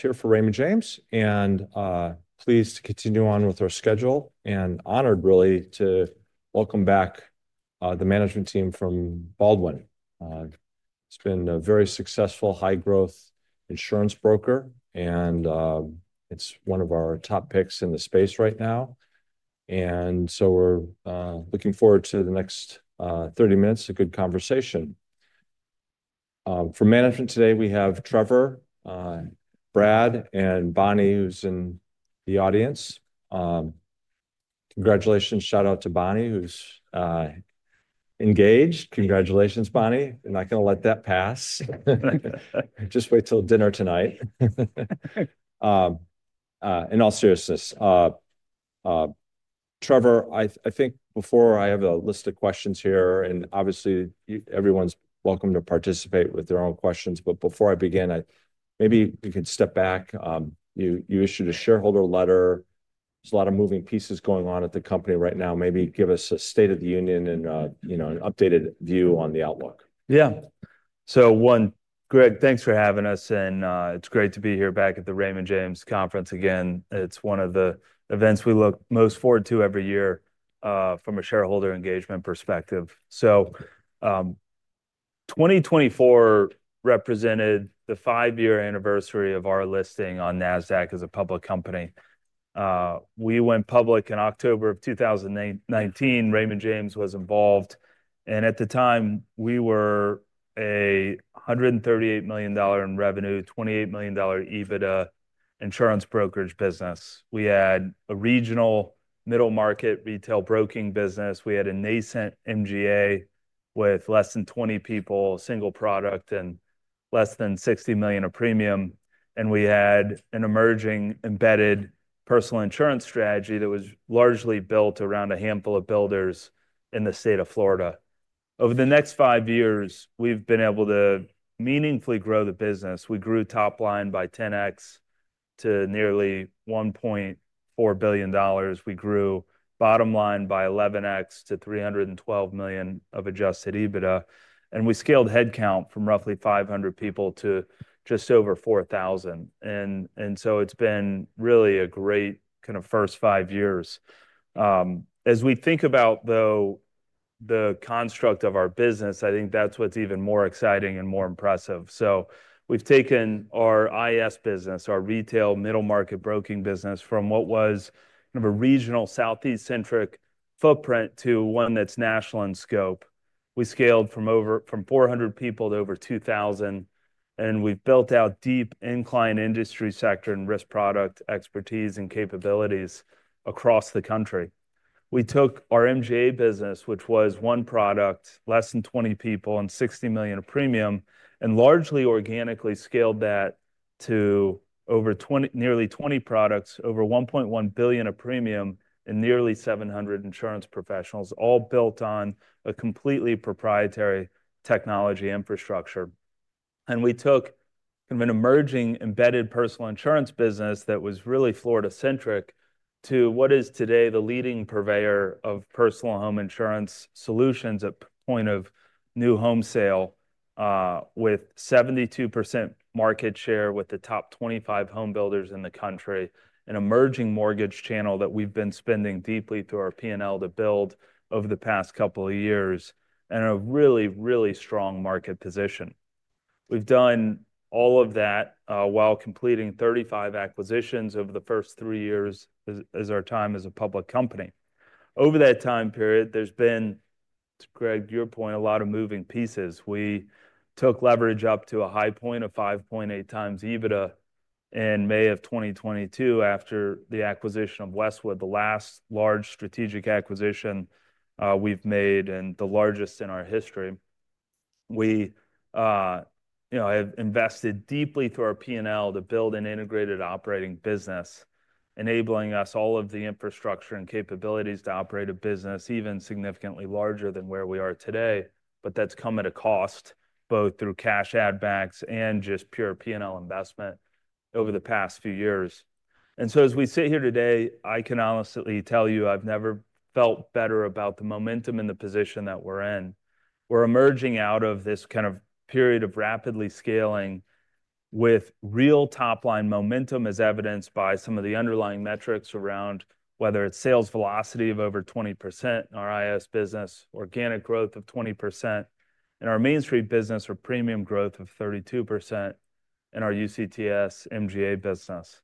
Here for Raymond James, and pleased to continue on with our schedule, and honored, really, to welcome back the management team from Baldwin. It's been a very successful, high-growth insurance broker, and it's one of our top picks in the space right now. And so we're looking forward to the next 30 minutes, a good conversation. For management today, we have Trevor, Brad, and Bonnie, who's in the audience. Congratulations, shout out to Bonnie, who's engaged. Congratulations, Bonnie. I'm not gonna let that pass. Just wait till dinner tonight. In all seriousness, Trevor, I think before I have a list of questions here, and obviously everyone's welcome to participate with their own questions, but before I begin, maybe we could step back. You issued a shareholder letter. There's a lot of moving pieces going on at the company right now. Maybe give us a state of the union and, you know, an updated view on the outlook. Yeah. So, one, Greg, thanks for having us, and it's great to be here back at the Raymond James Conference again. It's one of the events we look most forward to every year, from a shareholder engagement perspective. So, 2024 represented the five-year anniversary of our listing on NASDAQ as a public company. We went public in October of 2019. Raymond James was involved, and at the time we were a $138 million in revenue, $28 million EBITDA insurance brokerage business. We had a regional middle market retail broking business. We had a nascent MGA with less than 20 people, single product, and less than $60 million of premium. And we had an emerging embedded personal insurance strategy that was largely built around a handful of builders in the state of Florida. Over the next five years, we've been able to meaningfully grow the business. We grew top line by 10x to nearly $1.4 billion. We grew bottom line by 11x to $312 million of Adjusted EBITDA. And we scaled headcount from roughly 500 people to just over 4,000. And so it's been really a great kind of first five years. As we think about, though, the construct of our business, I think that's what's even more exciting and more impressive. So we've taken our IAS business, our retail middle market broking business, from what was kind of a regional southeast-centric footprint to one that's national in scope. We scaled from 400 people to over 2,000, and we've built out deep industry sector and risk product expertise and capabilities across the country. We took our MGA business, which was one product, less than 20 people, and $60 million of premium, and largely organically scaled that to over 20, nearly 20 products, over $1.1 billion of premium, and nearly 700 insurance professionals, all built on a completely proprietary technology infrastructure. And we took kind of an emerging embedded personal insurance business that was really Florida-centric to what is today the leading purveyor of personal home insurance solutions at the point of new home sale, with 72% market share with the top 25 home builders in the country, an emerging mortgage channel that we've been spending deeply through our P&L to build over the past couple of years, and a really, really strong market position. We've done all of that, while completing 35 acquisitions over the first three years as our time as a public company. Over that time period, there's been, to Greg, to your point, a lot of moving pieces. We took leverage up to a high point of 5.8 times EBITDA in May of 2022 after the acquisition of Westwood, the last large strategic acquisition we've made and the largest in our history. We, you know, have invested deeply through our P&L to build an integrated operating business, enabling us all of the infrastructure and capabilities to operate a business even significantly larger than where we are today, but that's come at a cost both through cash add-backs and just pure P&L investment over the past few years. And so as we sit here today, I can honestly tell you I've never felt better about the momentum in the position that we're in. We're emerging out of this kind of period of rapidly scaling with real top line momentum as evidenced by some of the underlying metrics around whether it's sales velocity of over 20% in our IS business, organic growth of 20%, and our Main Street business or premium growth of 32% in our UCTS MGA business.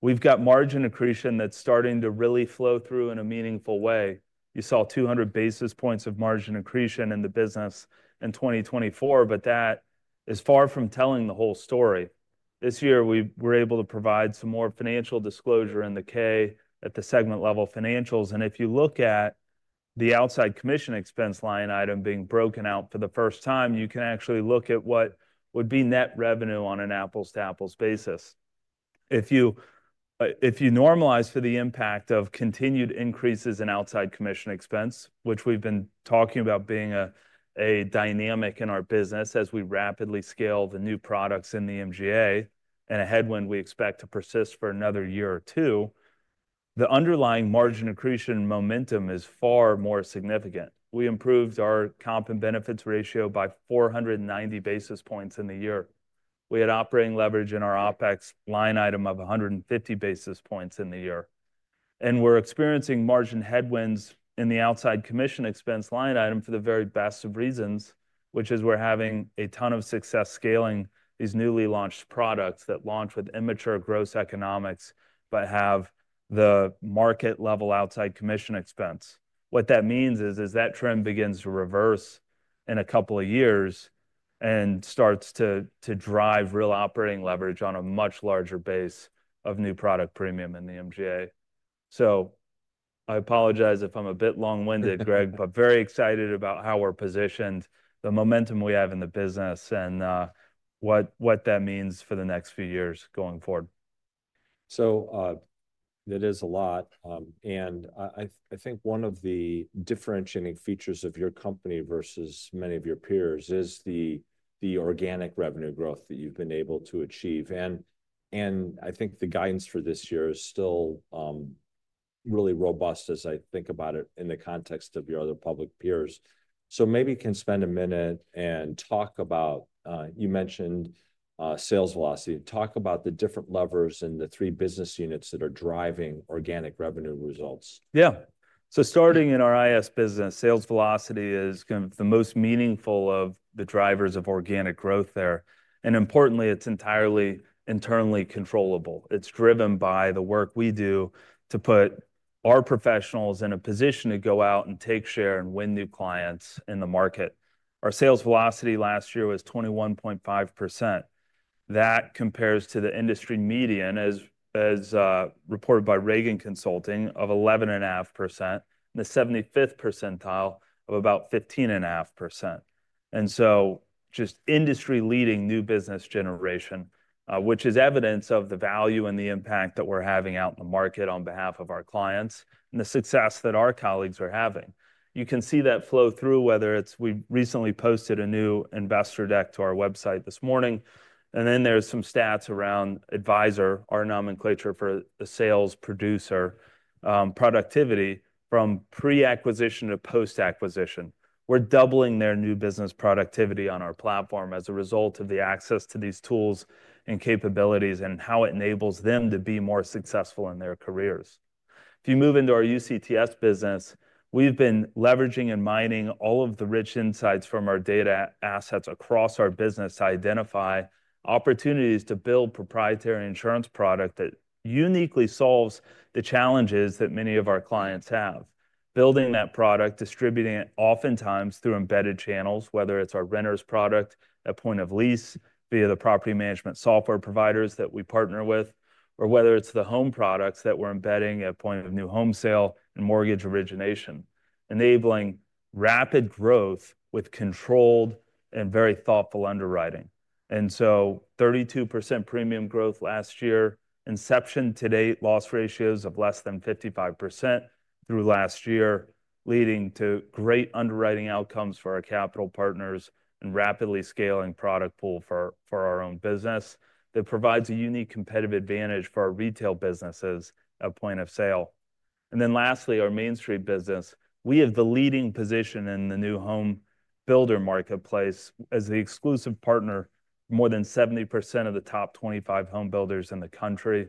We've got margin accretion that's starting to really flow through in a meaningful way. You saw 200 basis points of margin accretion in the business in 2024, but that is far from telling the whole story. This year we were able to provide some more financial disclosure in the K at the segment level financials. And if you look at the outside commission expense line item being broken out for the first time, you can actually look at what would be net revenue on an apples-to-apples basis. If you normalize for the impact of continued increases in outside commission expense, which we've been talking about being a dynamic in our business as we rapidly scale the new products in the MGA and a headwind we expect to persist for another year or two, the underlying margin accretion momentum is far more significant. We improved our comp and benefits ratio by 490 basis points in the year. We had operating leverage in our OpEx line item of 150 basis points in the year, and we're experiencing margin headwinds in the outside commission expense line item for the very best of reasons, which is we're having a ton of success scaling these newly launched products that launch with immature gross economics, but have the market level outside commission expense. What that means is that trend begins to reverse in a couple of years and starts to drive real operating leverage on a much larger base of new product premium in the MGA. So I apologize if I'm a bit long-winded, Greg, but very excited about how we're positioned, the momentum we have in the business, and what that means for the next few years going forward. So, it is a lot. I think one of the differentiating features of your company versus many of your peers is the organic revenue growth that you've been able to achieve. I think the guidance for this year is still really robust as I think about it in the context of your other public peers. So maybe you can spend a minute and talk about, you mentioned, sales velocity. Talk about the different levers and the three business units that are driving organic revenue results. Yeah. So starting in our IS business, sales velocity is kind of the most meaningful of the drivers of organic growth there. And importantly, it's entirely internally controllable. It's driven by the work we do to put our professionals in a position to go out and take share and win new clients in the market. Our sales velocity last year was 21.5%. That compares to the industry median, as reported by Reagan Consulting, of 11.5%, and the 75th percentile of about 15.5%. And so just industry-leading new business generation, which is evidence of the value and the impact that we're having out in the market on behalf of our clients and the success that our colleagues are having. You can see that flow through whether it's we recently posted a new investor deck to our website this morning, and then there's some stats around advisor, our nomenclature for the sales producer, productivity from pre-acquisition to post-acquisition. We're doubling their new business productivity on our platform as a result of the access to these tools and capabilities and how it enables them to be more successful in their careers. If you move into our UCTS business, we've been leveraging and mining all of the rich insights from our data assets across our business to identify opportunities to build proprietary insurance product that uniquely solves the challenges that many of our clients have. Building that product, distributing it oftentimes through embedded channels, whether it's our renter's product at point of lease via the property management software providers that we partner with, or whether it's the home products that we're embedding at point of new home sale and mortgage origination, enabling rapid growth with controlled and very thoughtful underwriting, and so 32% premium growth last year, inception to date loss ratios of less than 55% through last year, leading to great underwriting outcomes for our capital partners and rapidly scaling product pool for our own business that provides a unique competitive advantage for our retail businesses at point of sale, and then lastly, our Main Street business, we have the leading position in the new home builder marketplace as the exclusive partner for more than 70% of the top 25 home builders in the country.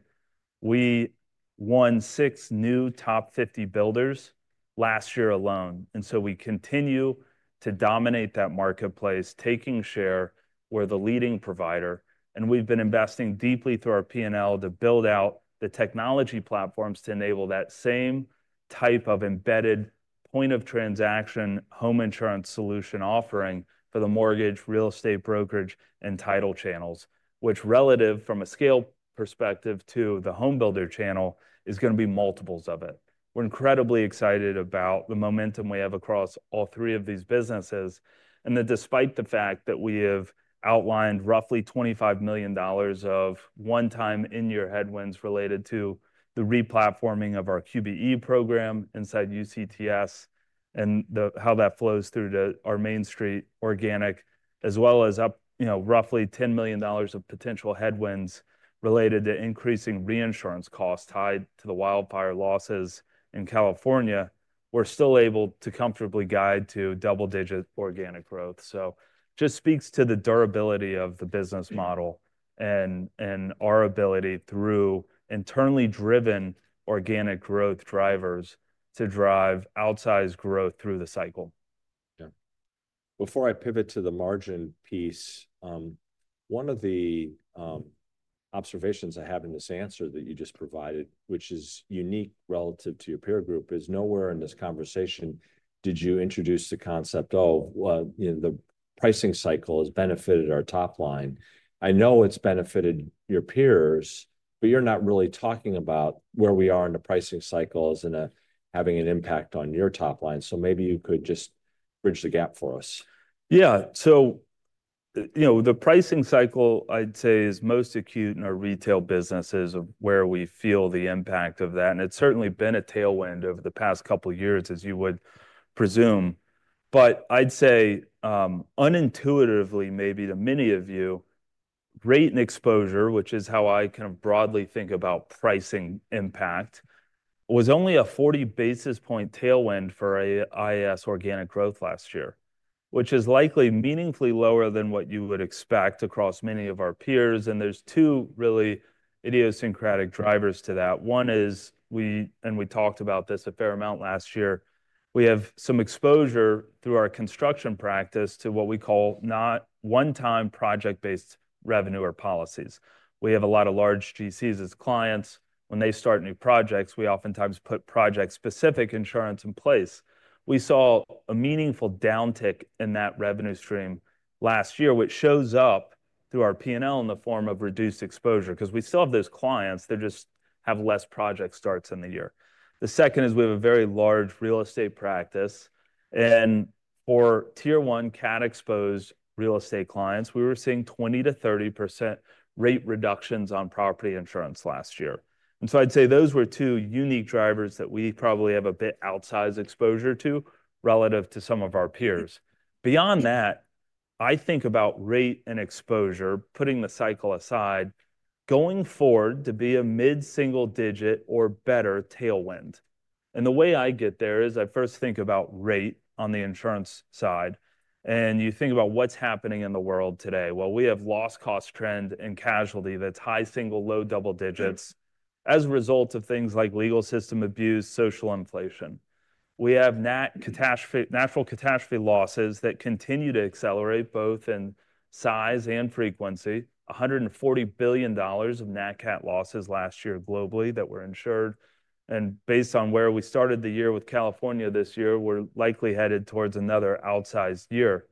We won six new top 50 builders last year alone. And so we continue to dominate that marketplace, taking share as the leading provider, and we've been investing deeply through our P&L to build out the technology platforms to enable that same type of embedded point of transaction home insurance solution offering for the mortgage, real estate brokerage, and title channels, which, relative from a scale perspective to the home builder channel, is going to be multiples of it. We're incredibly excited about the momentum we have across all three of these businesses, and that despite the fact that we have outlined roughly $25 million of one-time in-year headwinds related to the replatforming of our QBE program inside UCTS and how that flows through to our Main Street organic, as well as, you know, roughly $10 million of potential headwinds related to increasing reinsurance costs tied to the wildfire losses in California, we're still able to comfortably guide to double-digit organic growth. So just speaks to the durability of the business model and our ability through internally driven organic growth drivers to drive outsized growth through the cycle. Yeah. Before I pivot to the margin piece, one of the observations I have in this answer that you just provided, which is unique relative to your peer group, is nowhere in this conversation did you introduce the concept of, you know, the pricing cycle has benefited our top line. I know it's benefited your peers, but you're not really talking about where we are in the pricing cycles and having an impact on your top line. So maybe you could just bridge the gap for us? Yeah. So, you know, the pricing cycle, I'd say, is most acute in our retail businesses of where we feel the impact of that. And it's certainly been a tailwind over the past couple of years, as you would presume. But I'd say, unintuitively maybe to many of you, rate and exposure, which is how I kind of broadly think about pricing impact, was only a 40 basis point tailwind for IS organic growth last year, which is likely meaningfully lower than what you would expect across many of our peers. And there's two really idiosyncratic drivers to that. One is we, and we talked about this a fair amount last year, we have some exposure through our construction practice to what we call not one-time project-based revenue or policies. We have a lot of large GCs as clients. When they start new projects, we oftentimes put project-specific insurance in place. We saw a meaningful downtick in that revenue stream last year, which shows up through our P&L in the form of reduced exposure because we still have those clients. They just have less project starts in the year. The second is we have a very large real estate practice. And for tier one cat-exposed real estate clients, we were seeing 20%-30% rate reductions on property insurance last year. And so I'd say those were two unique drivers that we probably have a bit outsized exposure to relative to some of our peers. Beyond that, I think about rate and exposure, putting the cycle aside, going forward to be a mid-single digit or better tailwind. And the way I get there is I first think about rate on the insurance side. You think about what's happening in the world today. We have loss cost trend and casualty that's high single, low double digits as a result of things like legal system abuse, social inflation. We have natural catastrophe losses that continue to accelerate both in size and frequency. $140 billion of NatCat losses last year globally that were insured. Based on where we started the year with California this year, we're likely headed towards another outsized year.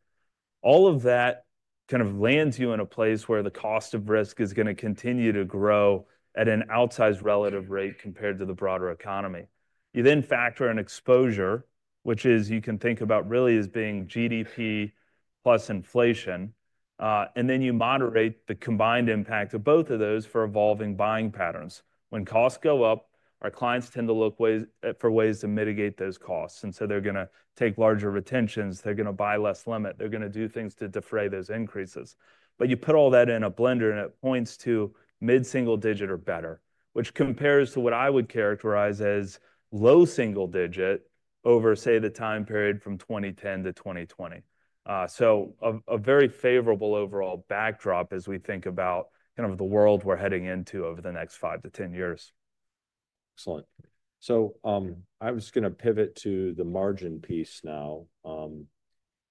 All of that kind of lands you in a place where the cost of risk is going to continue to grow at an outsized relative rate compared to the broader economy. You then factor in exposure, which is you can think about really as being GDP plus inflation, and then you moderate the combined impact of both of those for evolving buying patterns. When costs go up, our clients tend to look for ways to mitigate those costs. And so they're going to take larger retentions. They're going to buy less limit. They're going to do things to defray those increases. But you put all that in a blender and it points to mid-single digit or better, which compares to what I would characterize as low single digit over, say, the time period from 2010 to 2020, so a very favorable overall backdrop as we think about kind of the world we're heading into over the next five to 10 years. So, I was going to pivot to the margin piece now,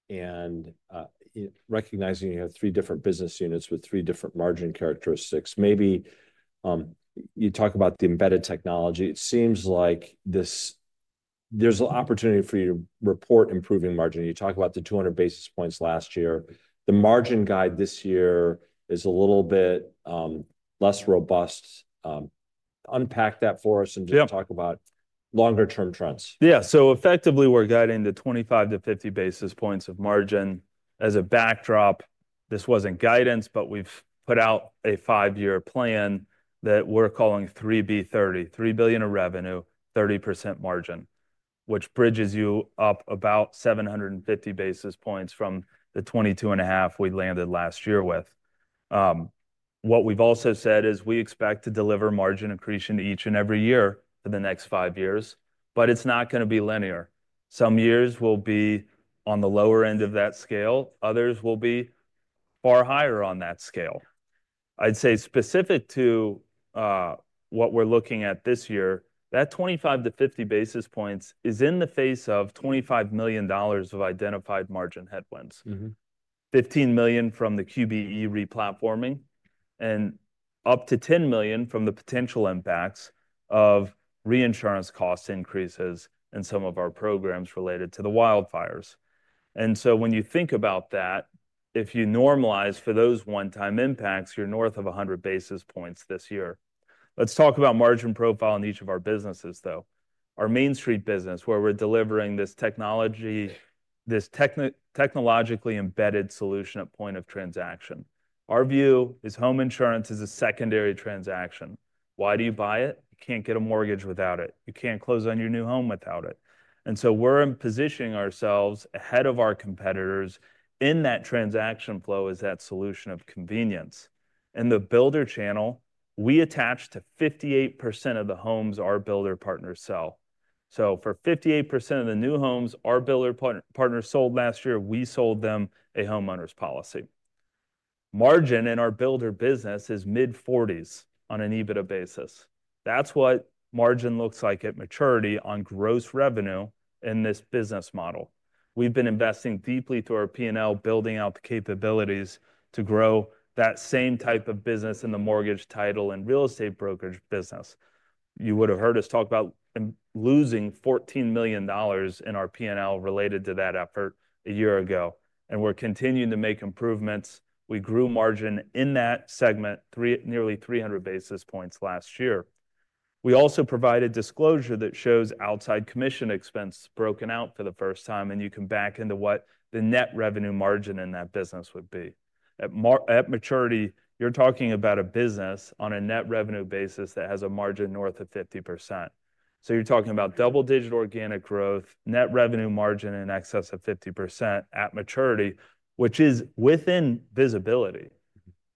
and recognizing you have three different business units with three different margin characteristics, maybe you talk about the embedded technology. It seems like there's an opportunity for you to report improving margin. You talk about the 200 basis points last year. The margin guide this year is a little bit less robust. Unpack that for us and just talk about longer-term trends. Yeah. So effectively we're guiding the 25-50 basis points of margin as a backdrop. This wasn't guidance, but we've put out a five-year plan that we're calling 3B30, $3 billion of revenue, 30% margin, which bridges you up about 750 basis points from the 22.5% we landed last year with. What we've also said is we expect to deliver margin accretion each and every year for the next five years, but it's not going to be linear. Some years will be on the lower end of that scale. Others will be far higher on that scale. I'd say specific to what we're looking at this year, that 25-50 basis points is in the face of $25 million of identified margin headwinds. $15 million from the QBE replatforming and up to $10 million from the potential impacts of reinsurance cost increases and some of our programs related to the wildfires. And so when you think about that, if you normalize for those one-time impacts, you're north of 100 basis points this year. Let's talk about margin profile in each of our businesses, though. Our Main Street business, where we're delivering this technology, this technologically embedded solution at point of transaction. Our view is home insurance is a secondary transaction. Why do you buy it? You can't get a mortgage without it. You can't close on your new home without it. And so we're positioning ourselves ahead of our competitors in that transaction flow as that solution of convenience. And the builder channel, we attach to 58% of the homes our builder partners sell. For 58% of the new homes our builder partners sold last year, we sold them a homeowner's policy. Margin in our builder business is mid-40s on an EBITDA basis. That's what margin looks like at maturity on gross revenue in this business model. We've been investing deeply through our P&L, building out the capabilities to grow that same type of business in the mortgage, title, and real estate brokerage business. You would have heard us talk about losing $14 million in our P&L related to that effort a year ago. We're continuing to make improvements. We grew margin in that segment nearly 300 basis points last year. We also provided disclosure that shows outside commission expense broken out for the first time, and you can back into what the net revenue margin in that business would be. At maturity, you're talking about a business on a net revenue basis that has a margin north of 50%. So you're talking about double-digit organic growth, net revenue margin in excess of 50% at maturity, which is within visibility.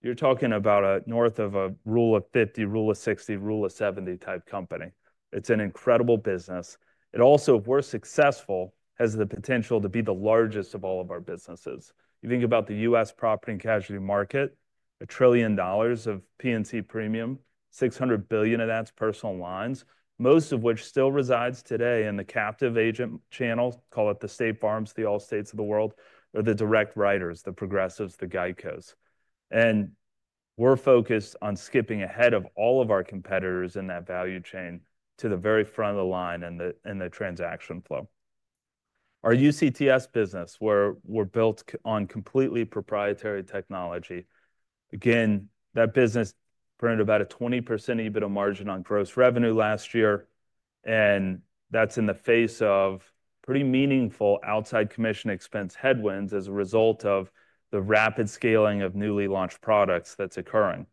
You're talking about a north of a rule of 50, rule of 60, rule of 70 type company. It's an incredible business. It also, if we're successful, has the potential to be the largest of all of our businesses. You think about the U.S. property and casualty market, $1 trillion of P&C premium, $600 billion of that's personal lines, most of which still resides today in the captive agent channel, call it the State Farm, the Allstate of the world, or the direct writers, the Progressives, the GEICOs. And we're focused on skipping ahead of all of our competitors in that value chain to the very front of the line and the transaction flow. Our UCTS business, where we're built on completely proprietary technology, again, that business earned about a 20% EBITDA margin on gross revenue last year. And that's in the face of pretty meaningful outside commission expense headwinds as a result of the rapid scaling of newly launched products that's occurring.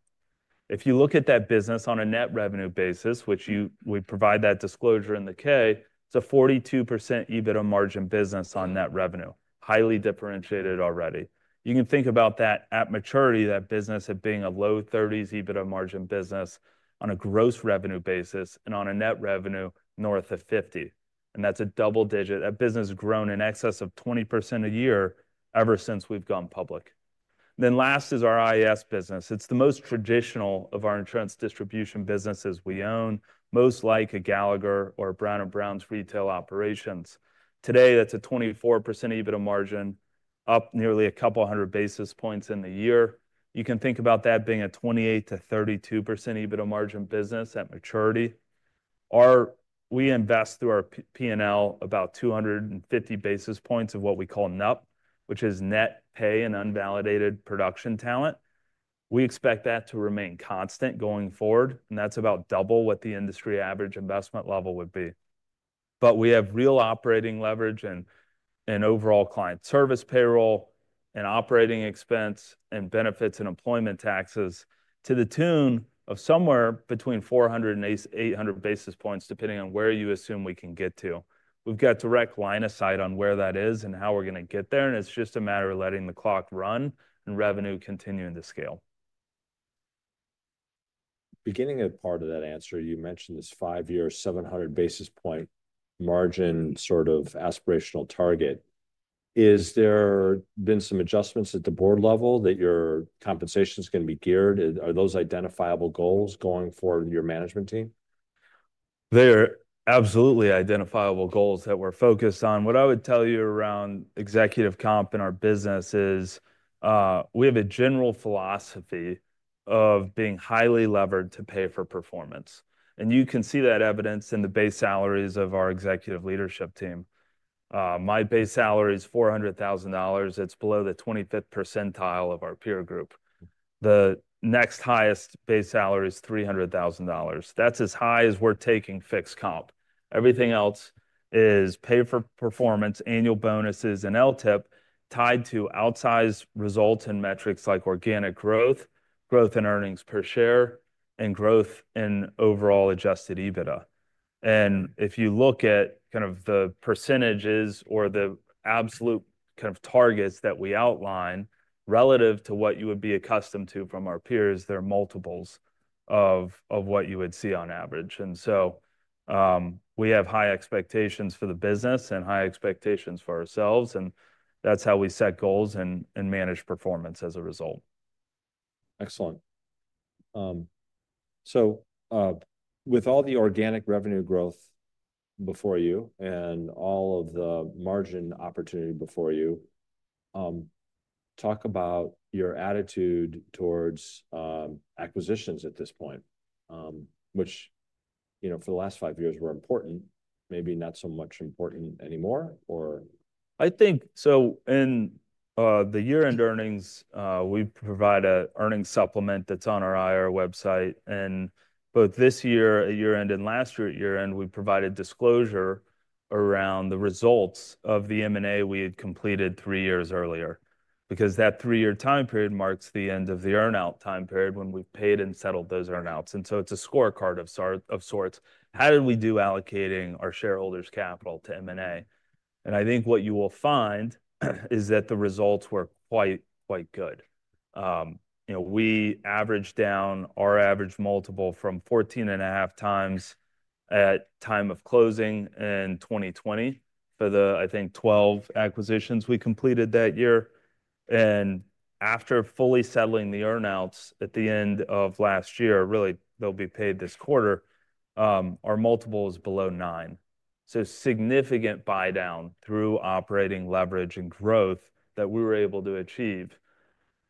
If you look at that business on a net revenue basis, which we provide that disclosure in the K, it's a 42% EBITDA margin business on net revenue, highly differentiated already. You can think about that at maturity, that business of being a low 30s EBITDA margin business on a gross revenue basis and on a net revenue north of 50. That's a double digit, a business grown in excess of 20% a year ever since we've gone public. Last is our IS business. It's the most traditional of our insurance distribution businesses we own, most like a Gallagher or a Brown & Brown's retail operations. Today, that's a 24% EBITDA margin, up nearly a couple hundred basis points in the year. You can think about that being a 28%-32% EBITDA margin business at maturity. We invest through our P&L about 250 basis points of what we call NUPP, which is net pay and unvalidated production talent. We expect that to remain constant going forward, and that's about double what the industry average investment level would be. But we have real operating leverage and overall client service payroll and operating expense and benefits and employment taxes to the tune of somewhere between 400 and 800 basis points, depending on where you assume we can get to. We've got direct line of sight on where that is and how we're going to get there. And it's just a matter of letting the clock run and revenue continuing to scale. Beginning at part of that answer, you mentioned this five-year, 700 basis point margin sort of aspirational target. Has there been some adjustments at the board level that your compensation is going to be geared? Are those identifiable goals going for your management team? They're absolutely identifiable goals that we're focused on. What I would tell you around executive comp in our business is, we have a general philosophy of being highly levered to pay for performance, and you can see that evidence in the base salaries of our executive leadership team. My base salary is $400,000. It's below the 25th percentile of our peer group. The next highest base salary is $300,000. That's as high as we're taking fixed comp. Everything else is pay for performance, annual bonuses, and LTIP tied to outsized results and metrics like organic growth, growth in earnings per share, and growth in overall Adjusted EBITDA. If you look at kind of the percentages or the absolute kind of targets that we outline relative to what you would be accustomed to from our peers, there are multiples of what you would see on average. And so, we have high expectations for the business and high expectations for ourselves. And that's how we set goals and manage performance as a result. Excellent. So, with all the organic revenue growth before you and all of the margin opportunity before you, talk about your attitude towards acquisitions at this point, which, you know, for the last five years were important, maybe not so much important anymore, or? I think so. In the year-end earnings, we provide an earnings supplement that's on our IR website. And both this year, at year-end, and last year at year-end, we provided disclosure around the results of the M&A we had completed three years earlier because that three-year time period marks the end of the earnout time period when we've paid and settled those earnouts. And so it's a scorecard of sorts. How did we do allocating our shareholders' capital to M&A? And I think what you will find is that the results were quite, quite good. You know, we averaged down our average multiple from 14.5 times at time of closing in 2020 for the, I think, 12 acquisitions we completed that year. And after fully settling the earnouts at the end of last year, really, they'll be paid this quarter, our multiple is below nine. So significant buy down through operating leverage and growth that we were able to achieve.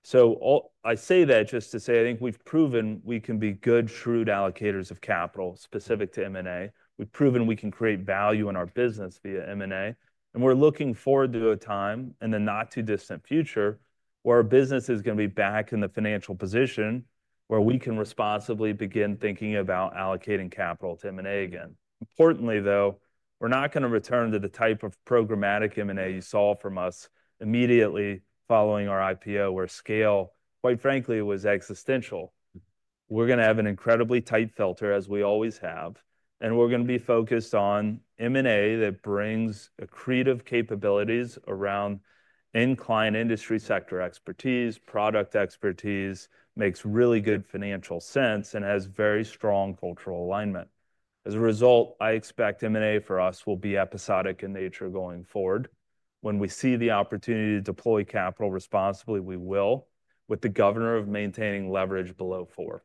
So I say that just to say I think we've proven we can be good, shrewd allocators of capital specific to M&A. We've proven we can create value in our business via M&A. And we're looking forward to a time in the not-too-distant future where our business is going to be back in the financial position where we can responsibly begin thinking about allocating capital to M&A again. Importantly, though, we're not going to return to the type of programmatic M&A you saw from us immediately following our IPO where scale, quite frankly, was existential. We're going to have an incredibly tight filter, as we always have. We're going to be focused on M&A that brings accretive capabilities around in-client industry sector expertise, product expertise, makes really good financial sense, and has very strong cultural alignment. As a result, I expect M&A for us will be episodic in nature going forward. When we see the opportunity to deploy capital responsibly, we will, with the governor of maintaining leverage below four.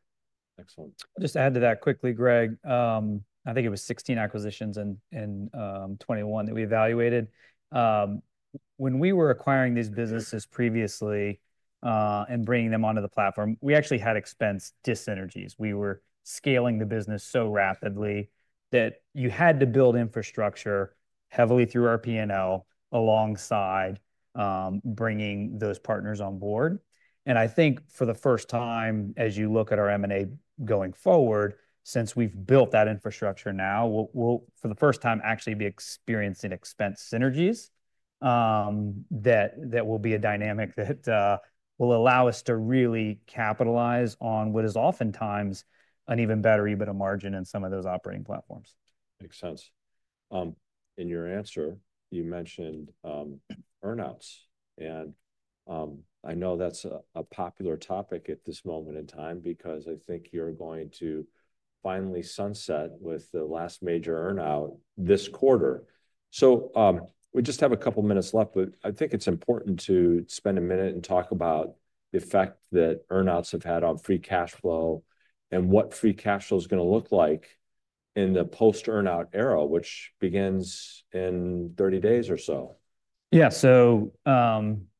Excellent. I'll just add to that quickly, Greg. I think it was 16 acquisitions and 21 that we evaluated. When we were acquiring these businesses previously, and bringing them onto the platform, we actually had expense dyssynergies. We were scaling the business so rapidly that you had to build infrastructure heavily through our P&L alongside bringing those partners on board, and I think for the first time, as you look at our M&A going forward, since we've built that infrastructure now, we'll for the first time actually be experiencing expense synergies that will be a dynamic that will allow us to really capitalize on what is oftentimes an even better EBITDA margin in some of those operating platforms. Makes sense. In your answer, you mentioned earnouts. And, I know that's a popular topic at this moment in time because I think you're going to finally sunset with the last major earnout this quarter. So, we just have a couple of minutes left, but I think it's important to spend a minute and talk about the effect that earnouts have had on free cash flow and what free cash flow is going to look like in the post-earnout era, which begins in 30 days or so. Yeah, so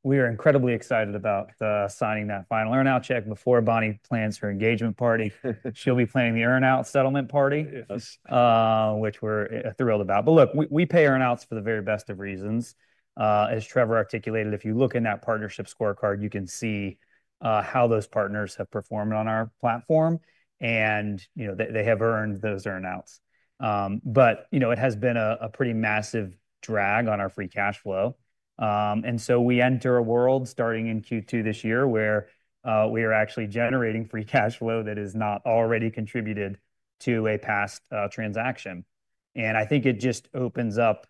we are incredibly excited about signing that final earnout check before Bonnie plans her engagement party. She'll be planning the earnout settlement party, which we're thrilled about. But look, we pay earnouts for the very best of reasons. As Trevor articulated, if you look in that partnership scorecard, you can see how those partners have performed on our platform and, you know, they have earned those earnouts. But you know, it has been a pretty massive drag on our free cash flow, and so we enter a world starting in Q2 this year where we are actually generating free cash flow that is not already contributed to a past transaction, and I think it just opens up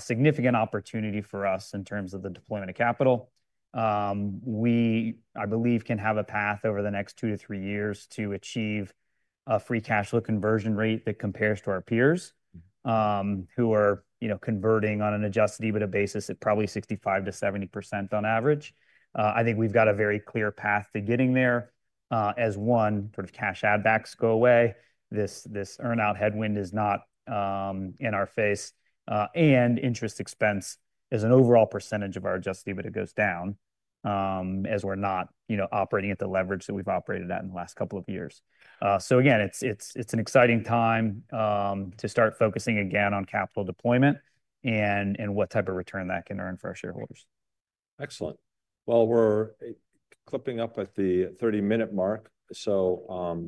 significant opportunity for us in terms of the deployment of capital. We, I believe, can have a path over the next two to three years to achieve a free cash flow conversion rate that compares to our peers, who are, you know, converting on an Adjusted EBITDA basis at probably 65%-70% on average. I think we've got a very clear path to getting there, as one sort of cash add-backs go away. This earnout headwind is not in our face, and interest expense as an overall percentage of our Adjusted EBITDA goes down, as we're not, you know, operating at the leverage that we've operated at in the last couple of years. So again, it's an exciting time to start focusing again on capital deployment and what type of return that can earn for our shareholders. Excellent. Well, we're clipping up at the 30-minute mark. So,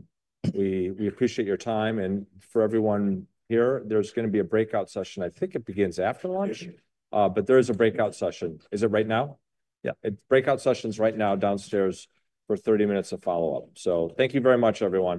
we appreciate your time. And for everyone here, there's going to be a breakout session. I think it begins after lunch, but there is a breakout session. Is it right now? Yeah, breakout sessions right now downstairs for 30 minutes of follow-up. So thank you very much, everyone.